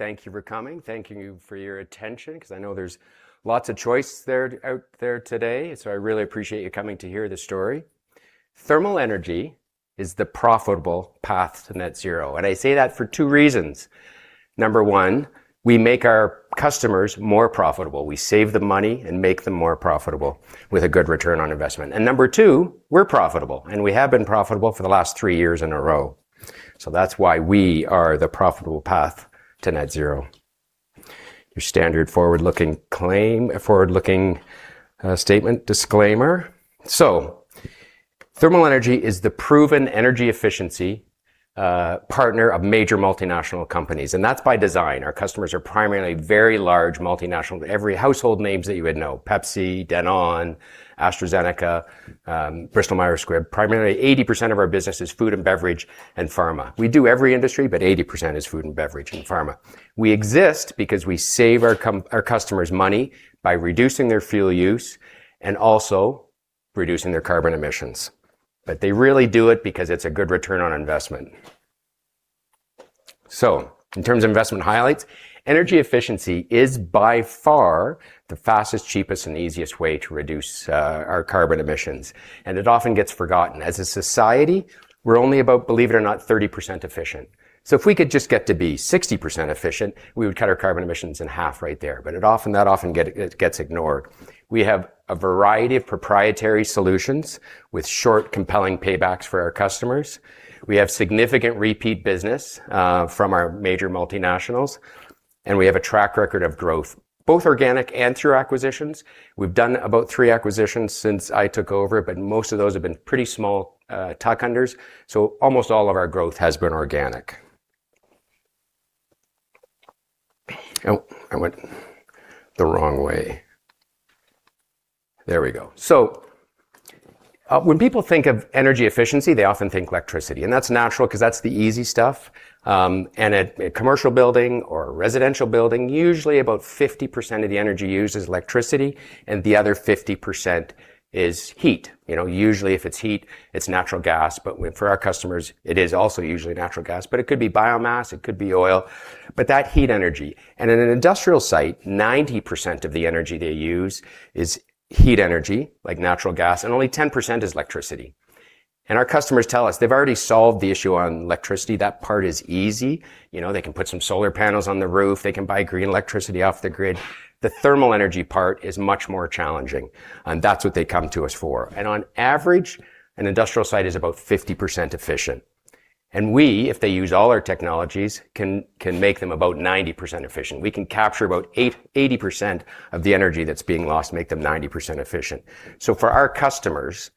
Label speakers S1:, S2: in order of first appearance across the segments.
S1: Thank you for coming. Thank you for your attention, because I know there's lots of choice out there today, I really appreciate you coming to hear the story. Thermal Energy International is the profitable path to net zero, I say that for two reasons. Number one, we make our customers more profitable. We save them money and make them more profitable with a good return on investment. Number two, we're profitable, we have been profitable for the last three years in a row. That's why we are the profitable path to net zero. Your standard forward-looking statement disclaimer. Thermal Energy International is the proven energy efficiency partner of major multinational companies, that's by design. Our customers are primarily very large multinational, every household names that you would know: Pepsi, Danone, AstraZeneca, Bristol Myers Squibb. Primarily 80% of our business is food and beverage and pharma. We do every industry, but 80% is food and beverage and pharma. We exist because we save our customers money by reducing their fuel use and also reducing their carbon emissions. They really do it because it's a good return on investment. In terms of investment highlights, energy efficiency is by far the fastest, cheapest, and easiest way to reduce our carbon emissions, it often gets forgotten. As a society, we're only about, believe it or not, 30% efficient. If we could just get to be 60% efficient, we would cut our carbon emissions in half right there that often gets ignored. We have a variety of proprietary solutions with short, compelling paybacks for our customers. We have significant repeat business from our major multinationals, we have a track record of growth, both organic and through acquisitions. We've done about three acquisitions since I took over, most of those have been pretty small tuck-unders, almost all of our growth has been organic. Oh, I went the wrong way. There we go. When people think of energy efficiency, they often think electricity, that's natural because that's the easy stuff. At a commercial building or a residential building, usually about 50% of the energy used is electricity, the other 50% is heat. Usually, if it's heat, it's natural gas. For our customers, it is also usually natural gas, but it could be biomass, it could be oil, that heat energy. In an industrial site, 90% of the energy they use is heat energy, like natural gas, only 10% is electricity. Our customers tell us they've already solved the issue on electricity, that part is easy. They can put some solar panels on the roof. They can buy green electricity off the grid. The thermal energy part is much more challenging, that's what they come to us for. On average, an industrial site is about 50% efficient. We, if they use all our technologies, can make them about 90% efficient. We can capture about 80% of the energy that's being lost, make them 90% efficient. For our customers,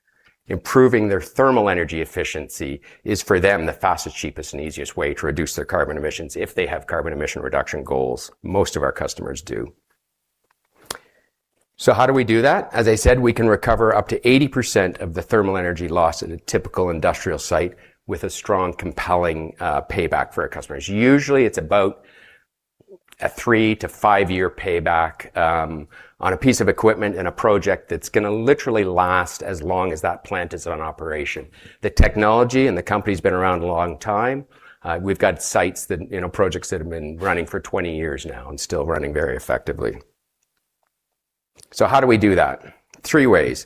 S1: improving their thermal energy efficiency is, for them, the fastest, cheapest, and easiest way to reduce their carbon emissions if they have carbon emission reduction goals, most of our customers do. How do we do that? As I said, we can recover up to 80% of the thermal energy lost at a typical industrial site with a strong, compelling payback for our customers. Usually, it's about a three to five year payback on a piece of equipment and a project that's going to literally last as long as that plant is in operation. The technology and the company's been around a long time. We've got sites that, projects that have been running for 20 years now and still running very effectively. How do we do that? Three ways.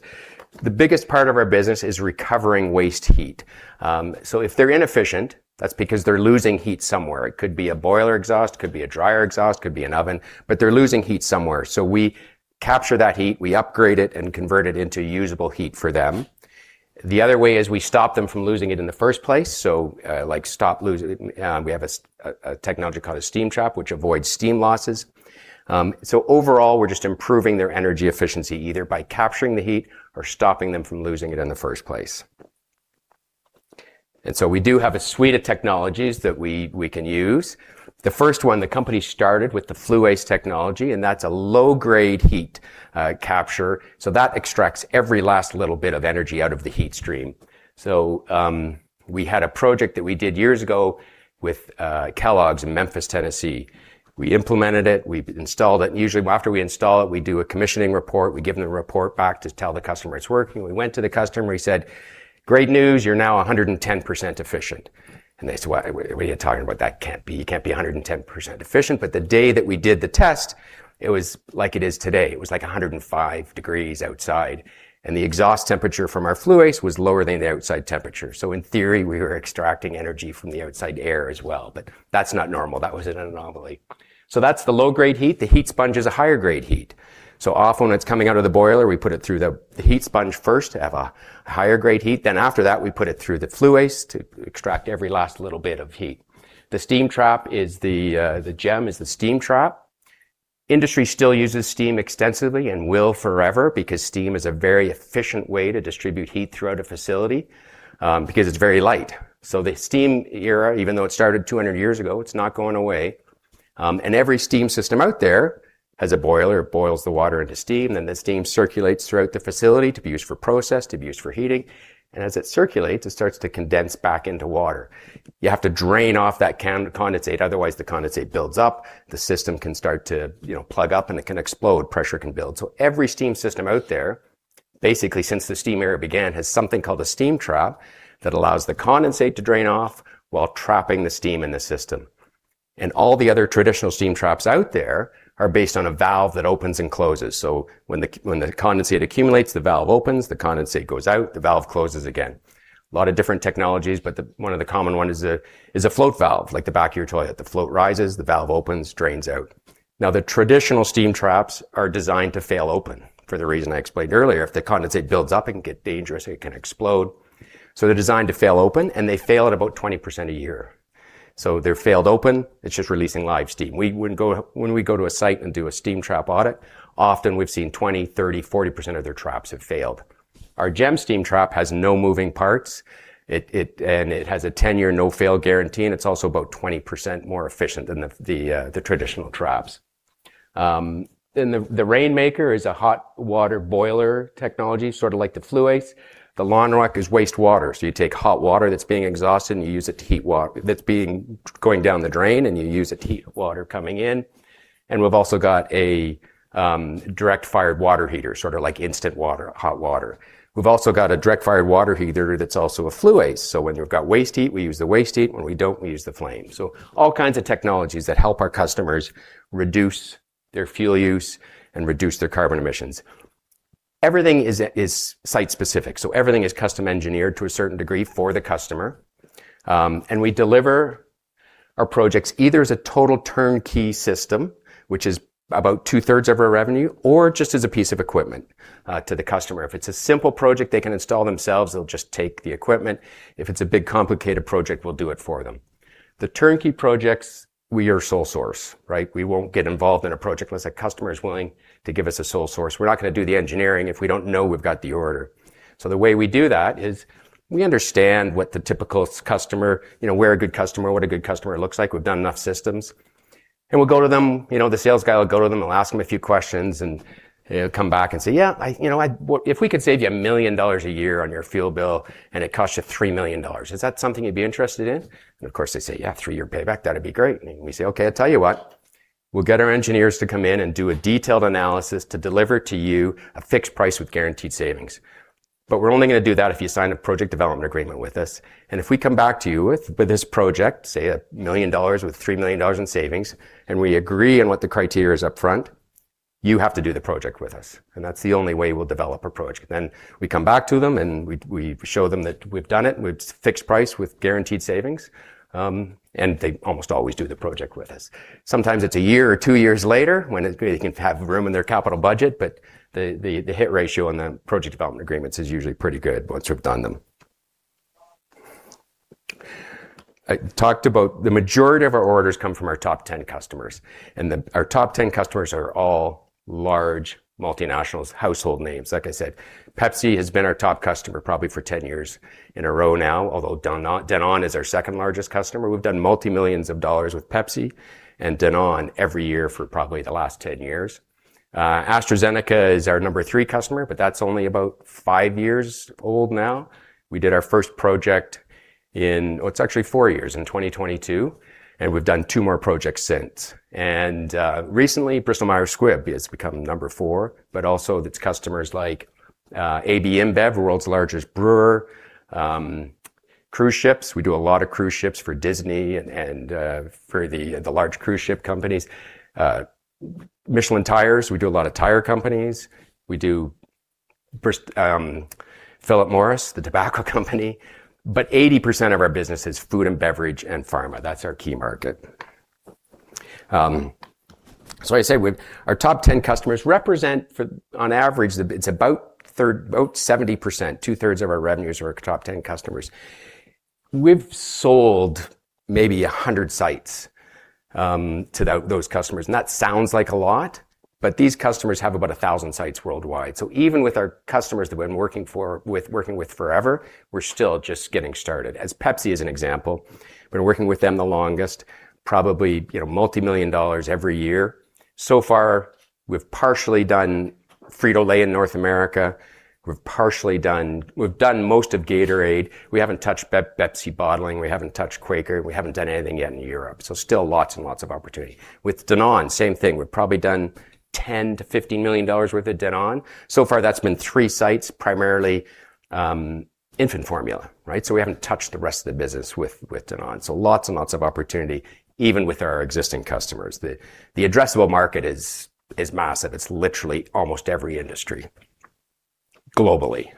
S1: The biggest part of our business is recovering waste heat. If they're inefficient, that's because they're losing heat somewhere. It could be a boiler exhaust, could be a dryer exhaust, could be an oven, but they're losing heat somewhere. We capture that heat, we upgrade it, and convert it into usable heat for them. The other way is we stop them from losing it in the first place. We have a technology called a steam trap, which avoids steam losses. Overall, we're just improving their energy efficiency, either by capturing the heat or stopping them from losing it in the first place. We do have a suite of technologies that we can use. The first one, the company started with the FLU-ACE technology, and that's a low-grade heat capture. That extracts every last little bit of energy out of the heat stream. We had a project that we did years ago with Kellogg's in Memphis, Tennessee. We implemented it. We installed it. Usually, after we install it, we do a commissioning report. We give them the report back to tell the customer it's working. We went to the customer. We said, "Great news. You're now 110% efficient." And they said, "What are you talking about? That can't be, you can't be 110% efficient." The day that we did the test, it was like it is today. It was like 105 degrees outside, and the exhaust temperature from our FLU-ACE was lower than the outside temperature. In theory, we were extracting energy from the outside air as well, but that's not normal that was an anomaly. That's the low-grade heat. The HeatSponge is a higher grade heat. Often when it's coming out of the boiler, we put it through the HeatSponge first to have a higher grade heat. After that, we put it through the FLU-ACE to extract every last little bit of heat. The GEM is the steam trap. Industry still uses steam extensively and will forever because steam is a very efficient way to distribute heat throughout a facility because it's very light. The steam era, even though it started 200 years ago, it's not going away. Every steam system out there has a boiler. It boils the water into steam, the steam circulates throughout the facility to be used for process, to be used for heating, and as it circulates, it starts to condense back into water. You have to drain off that condensate, otherwise the condensate builds up. The system can start to plug up, and it can explode, pressure can build. Every steam system out there Basically, since the steam era began, has something called a steam trap that allows the condensate to drain off while trapping the steam in the system. All the other traditional steam traps out there are based on a valve that opens and closes. When the condensate accumulates, the valve opens, the condensate goes out, the valve closes again. A lot of different technologies, but one of the common one is a float valve, like the back of your toilet. The float rises, the valve opens, drains out. Now, the traditional steam traps are designed to fail open for the reason I explained earlier. If the condensate builds up, it can get dangerous, it can explode. They're designed to fail open, and they fail at about 20% a year. They're failed open. It's just releasing live steam. When we go to a site and do a steam trap audit, often we've seen 20%, 30%, 40% of their traps have failed. Our GEM steam trap has no moving parts, and it has a 10-year no-fail guarantee, and it's also about 20% more efficient than the traditional traps. The Rainmaker is a hot water boiler technology, sort of like the FLU-ACE. The LawnRoc is wastewater. You take hot water that's being exhausted, and you use it to heat water that's going down the drain, and you use it to heat water coming in. We've also got a direct-fired water heater, sort of like instant hot water. We've also got a direct-fired water heater that's also a FLU-ACE. When we've got waste heat, we use the waste heat, when we don't, we use the flame. All kinds of technologies that help our customers reduce their fuel use and reduce their carbon emissions. Everything is site-specific, so everything is custom engineered to a certain degree for the customer. We deliver our projects either as a total turnkey system, which is about two-thirds of our revenue, or just as a piece of equipment to the customer. If it's a simple project they can install themselves, they'll just take the equipment. If it's a big, complicated project, we'll do it for them. The turnkey projects, we are sole source, right? We won't get involved in a project unless a customer is willing to give us a sole source. We're not going to do the engineering if we don't know we've got the order. The way we do that is we understand what the typical customer, where a good customer, what a good customer looks like. We've done enough systems. The sales guy will go to them and ask them a few questions, and he'll come back and say, "Yeah, if we could save you 1 million dollars a year on your fuel bill and it costs you 3 million dollars, is that something you'd be interested in?" Of course, they say, "Yeah, three-year payback, that'd be great." We say, "Okay, I tell you what, we'll get our engineers to come in and do a detailed analysis to deliver to you a fixed price with guaranteed savings. We're only going to do that if you sign a project development agreement with us. If we come back to you with this project, say 1 million dollars with 3 million dollars in savings, and we agree on what the criteria is up front, you have to do the project with us, and that's the only way we'll develop a project. We come back to them and we show them that we've done it with fixed price, with guaranteed savings, and they almost always do the project with us. Sometimes it's one year or two years later when they can have room in their capital budget. The hit ratio on the project development agreements is usually pretty good once we've done them. I talked about the majority of our orders come from our top 10 customers, and our top 10 customers are all large multinationals, household names. Like I said, Pepsi has been our top customer probably for 10 years in a row now, although Danone is our second-largest customer. We've done multimillions of CAD with Pepsi and Danone every year for probably the last 10 years. AstraZeneca is our number three customer, but that's only about five years old now. We did our first project in, oh, it's actually four years, in 2022, and we've done two more projects since. Recently, Bristol Myers Squibb has become number four, also it's customers like AB InBev, the world's largest brewer. Cruise ships, we do a lot of cruise ships for Disney and for the large cruise ship companies. Michelin tires, we do a lot of tire companies. We do Philip Morris, the tobacco company. 80% of our business is food and beverage and pharma, that's our key market. Like I said, our top 10 customers represent, on average, it's about 70%, two-thirds of our revenues are our top 10 customers. We've sold maybe 100 sites to those customers. That sounds like a lot, these customers have about 1,000 sites worldwide. Even with our customers that we've been working with forever, we're still just getting started. As Pepsi as an example, been working with them the longest, probably multimillion CAD every year. So far, we've partially done Frito-Lay in North America. We've done most of Gatorade. We haven't touched Pepsi Bottling, we haven't touched Quaker, we haven't done anything yet in Europe, still lots and lots of opportunity. With Danone, same thing. We've probably done 10 million-15 million dollars worth of Danone. So far, that's been three sites, primarily infant formula. We haven't touched the rest of the business with Danone. Lots and lots of opportunity, even with our existing customers. The addressable market is massive. It's literally almost every industry globally.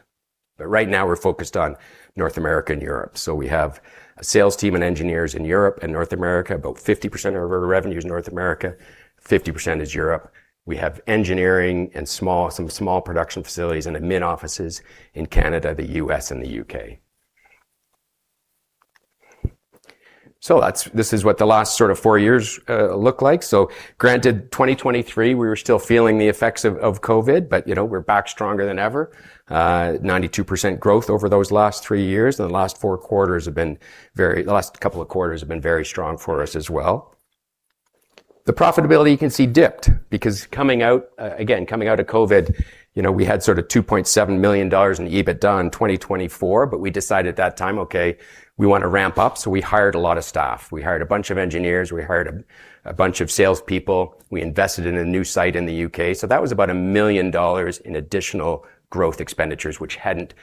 S1: Right now, we're focused on North America and Europe. We have a sales team and engineers in Europe and North America about 50% of our revenue is North America, 50% is Europe. We have engineering and some small production facilities and admin offices in Canada, the U.S., and the U.K. This is what the last sort of four years look like. Granted, 2023, we were still feeling the effects of COVID, we're back stronger than ever. 92% growth over those last three years, the last couple of quarters have been very strong for us as well. The profitability you can see dipped because coming out of COVID, we had sort of 2.7 million dollars in EBITDA in 2024. We decided at that time, okay, we want to ramp up. We hired a lot of staff. We hired a bunch of engineers. We hired a bunch of salespeople. We invested in a new site in the U.K. That was about 1 million dollars in additional growth expenditures, which hadn't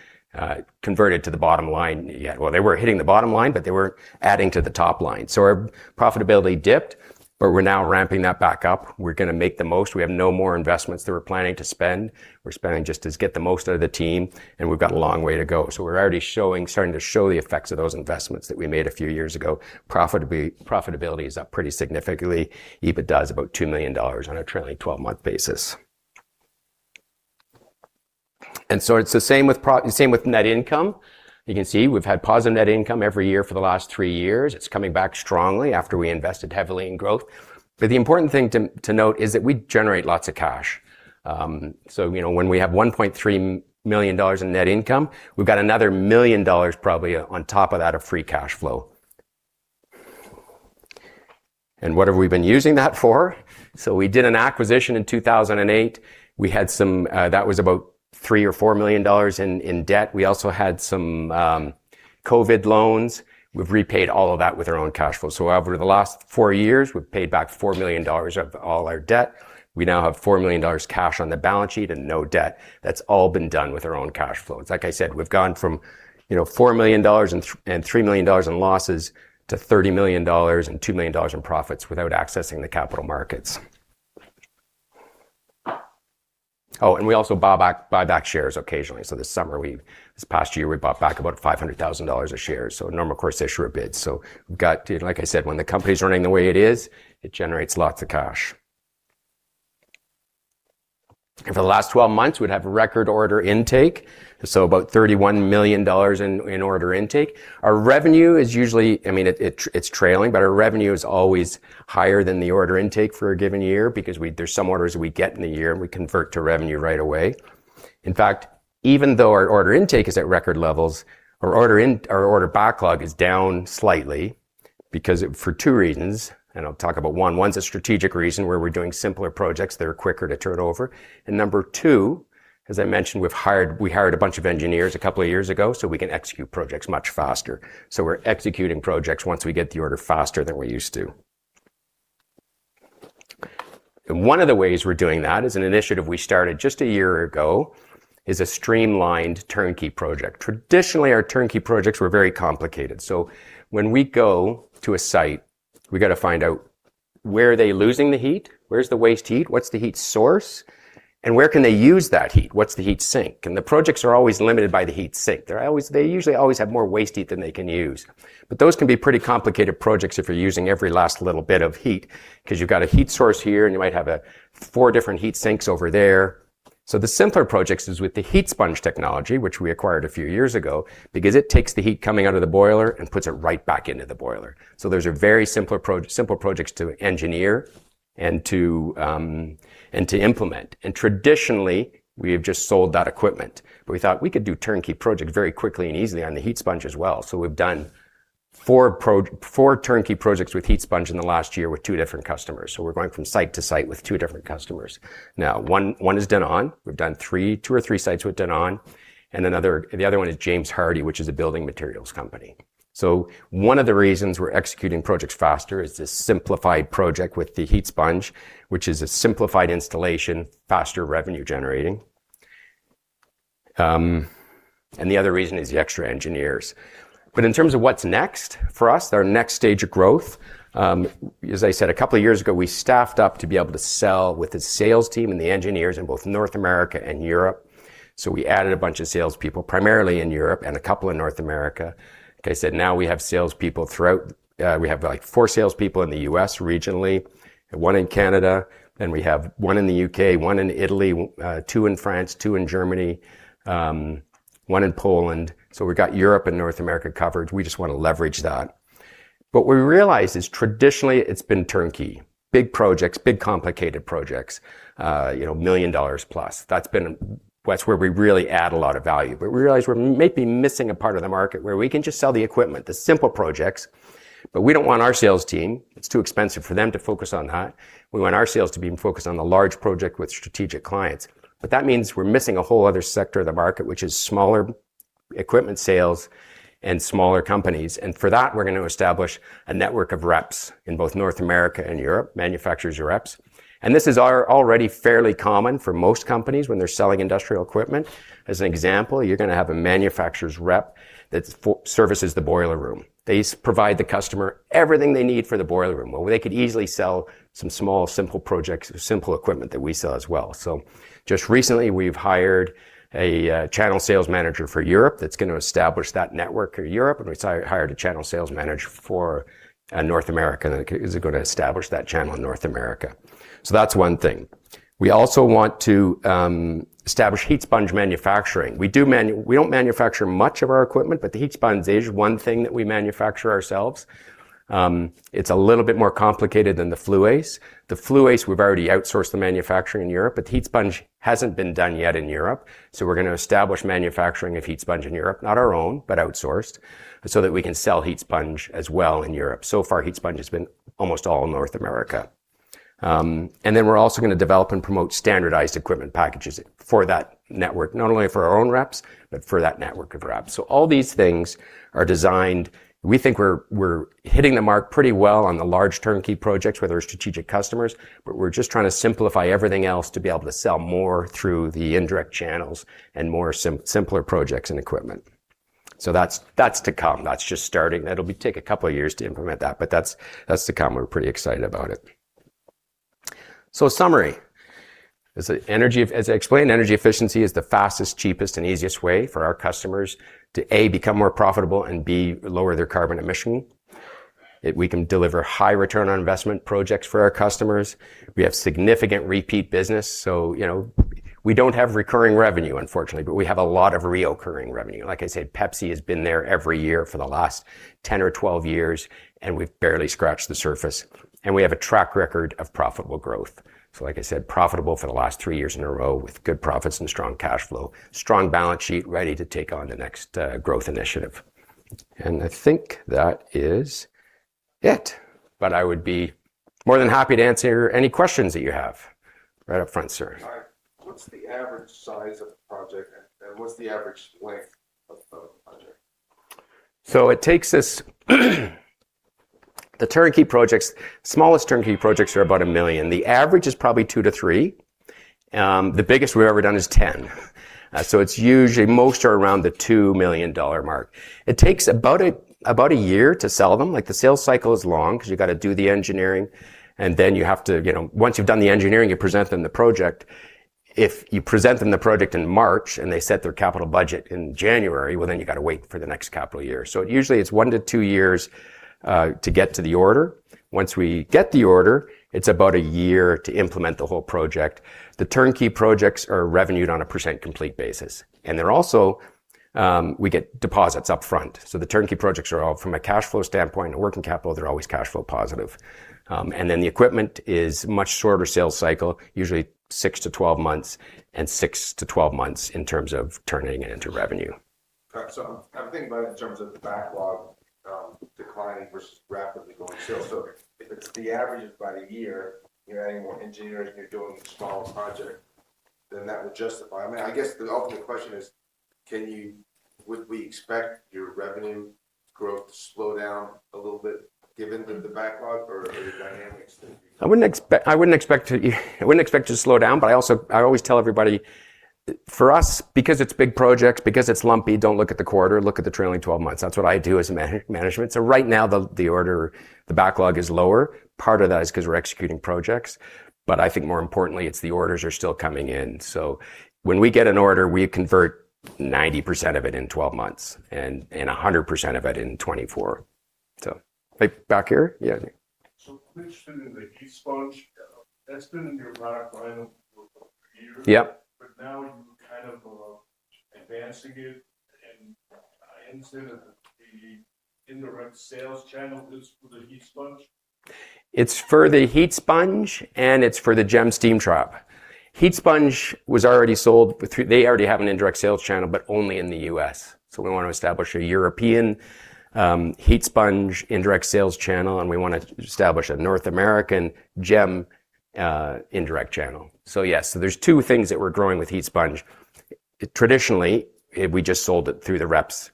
S1: converted to the bottom line yet. Well, they were hitting the bottom line, but they weren't adding to the top line. Our profitability dipped, but we're now ramping that back up. We're going to make the most. We have no more investments that we're planning to spend. We're spending just to get the most out of the team, and we've got a long way to go. We're already starting to show the effects of those investments that we made a few years ago. Profitability is up pretty significantly. EBITDA is about 2 million dollars on a trailing 12-month basis. It's the same with net income, you can see we've had positive net income every year for the last three years. It's coming back strongly after we invested heavily in growth. The important thing to note is that we generate lots of cash. When we have 1.3 million dollars in net income, we've got another 1 million dollars probably on top of that of free cash flow. What have we been using that for? We did an acquisition in 2008. That was about 3 million or 4 million dollars in debt. We also had some COVID loans. We've repaid all of that with our own cash flow. Over the last four years, we've paid back 4 million dollars of all our debt. We now have 4 million dollars cash on the balance sheet and no debt. That's all been done with our own cash flows. Like I said, we've gone from 4 million dollars and 3 million dollars in losses to 30 million dollars and 2 million dollars in profits without accessing the capital markets. We also buy back shares occasionally. This past year, we bought back about 500,000 dollars of shares, a normal course issuer bid. Like I said, when the company's running the way it is, it generates lots of cash. For the last 12 months, we'd have record order intake, about 31 million dollars in order intake. Our revenue is usually trailing, but our revenue is always higher than the order intake for a given year because there are some orders we get in the year, and we convert to revenue right away. In fact, even though our order intake is at record levels, our order backlog is down slightly for two reasons, and I'll talk about one. One's a strategic reason where we're doing simpler projects that are quicker to turn over. Number two, as I mentioned, we hired a bunch of engineers a couple of years ago so we can execute projects much faster. We're executing projects once we get the order faster than we used to. One of the ways we're doing that is an initiative we started just a year ago, is a streamlined turnkey project. Traditionally, our turnkey projects were very complicated. When we go to a site, we got to find out where are they losing the heat? Where's the waste heat? What's the heat source? Where can they use that heat? What's the heat sink? The projects are always limited by the heat sink. They usually always have more waste heat than they can use. Those can be pretty complicated projects if you're using every last little bit of heat because you've got a heat source here and you might have four different heat sinks over there. The simpler projects is with the HeatSponge technology, which we acquired a few years ago, because it takes the heat coming out of the boiler and puts it right back into the boiler. Those are very simple projects to engineer and to implement. Traditionally, we have just sold that equipment. We thought we could do turnkey projects very quickly and easily on the HeatSponge as well. We've done four turnkey projects with HeatSponge in the last year with two different customers. We're going from site to site with two different customers now. One is Danone, we've done two or three sites with Danone. The other one is James Hardie, which is a building materials company. One of the reasons we're executing projects faster is this simplified project with the HeatSponge, which is a simplified installation, faster revenue generating. The other reason is the extra engineers. In terms of what's next for us, our next stage of growth, as I said, a couple of years ago, we staffed up to be able to sell with the sales team and the engineers in both North America and Europe. We added a bunch of salespeople, primarily in Europe and a couple in North America. Like I said, now we have salespeople throughout. We have four salespeople in the U.S. regionally, one in Canada, and we have one in the U.K., one in Italy, two in France, two in Germany, one in Poland. We've got Europe and North America covered. We just want to leverage that. What we realized is traditionally it's been turnkey. Big projects, big complicated projects, 1 million dollars plus. That's where we really add a lot of value. We realize we're maybe missing a part of the market where we can just sell the equipment, the simple projects. We don't want our sales team. It's too expensive for them to focus on that. We want our sales team focused on the large project with strategic clients. That means we're missing a whole other sector of the market, which is smaller equipment sales and smaller companies. For that, we're going to establish a network of reps in both North America and Europe, manufacturer's reps. This is already fairly common for most companies when they're selling industrial equipment. As an example, you're going to have a manufacturer's rep that services the boiler room. They provide the customer everything they need for the boiler room, where they could easily sell some small, simple projects, simple equipment that we sell as well. Just recently, we've hired a channel sales manager for Europe that's going to establish that network for Europe, and we hired a channel sales manager for North America that is going to establish that channel in North America. That's one thing. We also want to establish HeatSponge manufacturing. We don't manufacture much of our equipment, but the HeatSponge is one thing that we manufacture ourselves. It's a little bit more complicated than the FLU-ACE. The FLU-ACE, we've already outsourced the manufacturing in Europe, but the HeatSponge hasn't been done yet in Europe. We're going to establish manufacturing of HeatSponge in Europe, not our own, but outsourced, so that we can sell HeatSponge as well in Europe. So far, HeatSponge has been almost all North America. Then we're also going to develop and promote standardized equipment packages for that network, not only for our own reps, but for that network of reps. All these things are designed. We think we're hitting the mark pretty well on the large turnkey projects with our strategic customers, but we're just trying to simplify everything else to be able to sell more through the indirect channels and more simpler projects and equipment. That's to come. That's just starting. That'll take a couple of years to implement that, but that's to come. We're pretty excited about it. Summary. As I explained, energy efficiency is the fastest, cheapest, and easiest way for our customers to, A, become more profitable and, B, lower their carbon emission. We can deliver high return on investment projects for our customers. We have significant repeat business. We don't have recurring revenue, unfortunately, but we have a lot of reoccurring revenue. Like I said, Pepsi has been there every year for the last 10 or 12 years, and we've barely scratched the surface. We have a track record of profitable growth. Like I said, profitable for the last three years in a row with good profits and strong cash flow. Strong balance sheet ready to take on the next growth initiative. I think that is it. I would be more than happy to answer any questions that you have. Right up front, sir.
S2: All right. What's the average size of the project and what's the average length of a project?
S1: The turnkey projects, smallest turnkey projects are about 1 million. The average is probably 2 million-3 million. The biggest we've ever done is 10 million. It's usually most are around the 2 million dollar mark. It takes about a year to sell them. The sales cycle is long because you've got to do the engineering, and then once you've done the engineering, you present them the project. If you present them the project in March and they set their capital budget in January, you've got to wait for the next capital year. Usually it's one to two years to get to the order. Once we get the order, it's about a year to implement the whole project. The turnkey projects are revenued on a percent complete basis. We get deposits upfront. The turnkey projects are all from a cash flow standpoint and working capital, they're always cash flow positive. The equipment is much shorter sales cycle, usually 6-12 months and 6-12 months in terms of turning it into revenue.
S2: I'm thinking about it in terms of the backlog declining versus rapidly going sales. If the average is about a year, you're adding more engineers and you're doing a smaller project, that would justify. I guess the ultimate question is, would we expect your revenue growth to slow down a little bit given the backlog or are your dynamics different?
S1: I wouldn't expect it to slow down, but I always tell everybody, for us, because it's big projects, because it's lumpy, don't look at the quarter, look at the trailing 12 months. That's what I do as management. Right now, the backlog is lower. Part of that is because we're executing projects. I think more importantly, it's the orders are still coming in. When we get an order, we convert 90% of it in 12 months and 100% of it in 24. Back here?
S2: You mentioned the HeatSponge. That's been in your product line for years.
S1: Yep.
S2: Now you're kind of advancing it and I understand that the indirect sales channel is for the HeatSponge?
S1: It's for the HeatSponge and it's for the GEM steam trap. HeatSponge was already sold. They already have an indirect sales channel, but only in the U.S. We want to establish a European HeatSponge indirect sales channel, and we want to establish a North American GEM indirect channel. Yes. There's two things that we're growing with HeatSponge. Traditionally, we just sold it through the reps.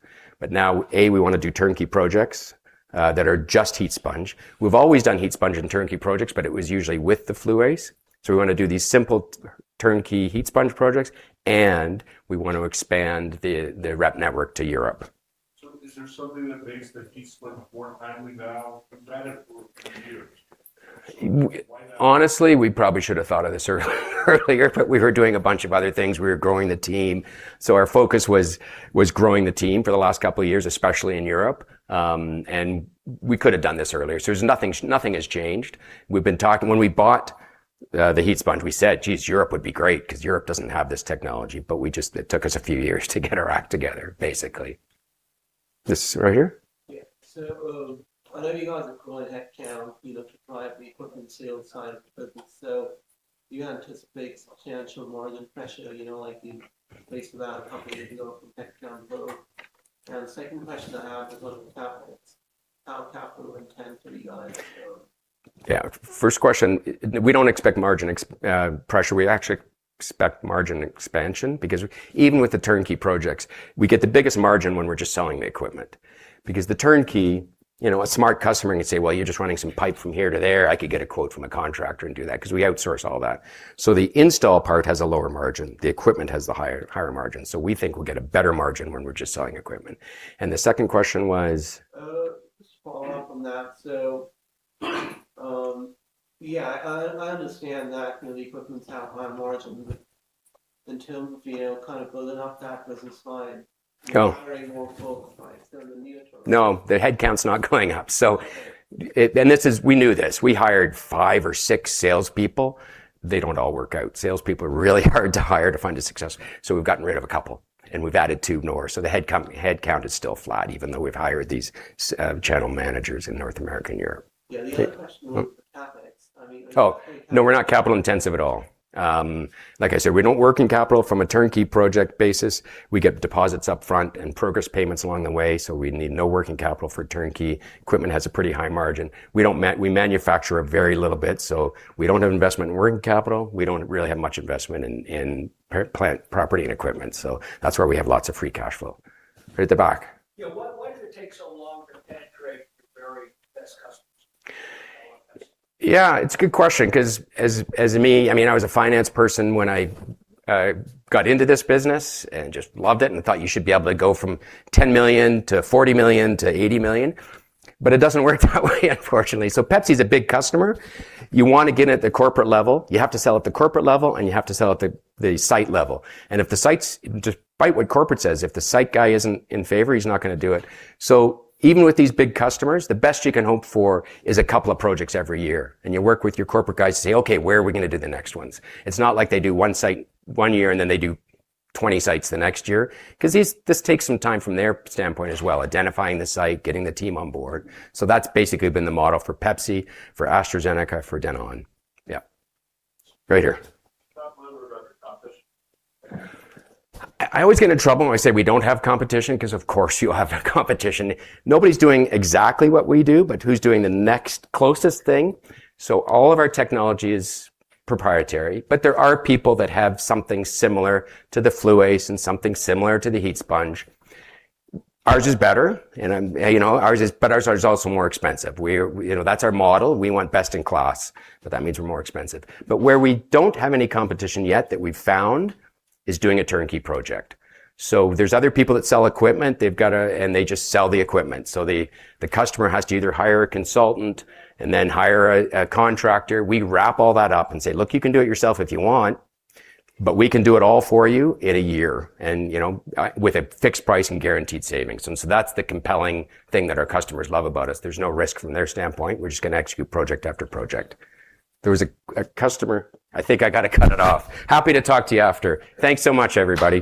S1: Now, A, we want to do turnkey projects that are just HeatSponge. We've always done HeatSponge in turnkey projects, but it was usually with the FLU-ACE. We want to do these simple turnkey HeatSponge projects, and we want to expand the rep network to Europe.
S2: Is there something that makes the HeatSponge more timely now? You've had it for years. Why now?
S1: Honestly, we probably should have thought of this earlier. We were doing a bunch of other things. We were growing the team. Our focus was growing the team for the last couple of years, especially in Europe. We could have done this earlier. Nothing has changed. When we bought the HeatSponge, we said, "Geez, Europe would be great because Europe doesn't have this technology." It took us a few years to get our act together. This right here?
S2: Yeah. I know you guys are growing headcount to drive the equipment sales side of the business. Do you anticipate substantial margin pressure, like you faced about a couple of years ago from headcount growth? The second question I have is on capital. How capital-intensive are you?
S1: Yeah. First question, we don't expect margin pressure. We actually expect margin expansion because even with the turnkey projects, we get the biggest margin when we're just selling the equipment. Because the turnkey, a smart customer can say, "Well, you're just running some pipe from here to there. I could get a quote from a contractor and do that," because we outsource all that. The install part has a lower margin. The equipment has the higher margin. We think we'll get a better margin when we're just selling equipment. The second question was?
S2: Just follow up on that. Yeah, I understand that the equipment side have high margin, in terms of building up that business line.
S1: No.
S2: You're hiring more folks, right? The neutral.
S1: No, the headcount's not going up. We knew this. We hired five or six salespeople. They don't all work out. Salespeople are really hard to hire to find a success. We've gotten rid of a couple and we've added two more. The headcount is still flat, even though we've hired these channel managers in North America and Europe.
S2: Yeah. The other question was on capital.
S1: Oh, no, we're not capital intensive at all. Like I said, we don't work in capital from a turnkey project basis. We get deposits upfront and progress payments along the way, we need no working capital for turnkey. Equipment has a pretty high margin. We manufacture a very little bit, we don't have investment in working capital. We don't really have much investment in plant property and equipment that's why we have lots of free cash flow. Right at the back. Yeah. Why did it take so long to penetrate your very best customers? All of them. Yeah, it's a good question because as me, I was a finance person when I got into this business and just loved it and thought you should be able to go from 10 million to 40 million to 80 million. It doesn't work that way unfortunately. PepsiCo's a big customer. You want to get in at the corporate level. You have to sell at the corporate level, and you have to sell at the site level. Despite what corporate says, if the site guy isn't in favor, he's not going to do it. Even with these big customers, the best you can hope for is a couple of projects every year, and you work with your corporate guys to say, "Okay, where are we going to do the next ones?" It's not like they do one site one year, and then they do 20 sites the next year. This takes some time from their standpoint as well, identifying the site, getting the team on board. That's basically been the model for Pepsi, for AstraZeneca, for Danone. Yeah, right here.
S2: Talk more about the competition.
S1: I always get in trouble when I say we don't have competition because of course you have competition. Nobody's doing exactly what we do, but who's doing the next closest thing? All of our technology is proprietary, but there are people that have something similar to the FLU-ACE and something similar to the HeatSponge. Ours is better, but ours is also more expensive. That's our model. We want best in class, but that means we're more expensive. Where we don't have any competition yet that we've found is doing a turnkey project. There's other people that sell equipment. They just sell the equipment, so the customer has to either hire a consultant and then hire a contractor. We wrap all that up and say, "Look, you can do it yourself if you want, but we can do it all for you in a year with a fixed price and guaranteed savings." That's the compelling thing that our customers love about us. There's no risk from their standpoint. We're just going to execute project after project. Happy to talk to you after. Thanks so much, everybody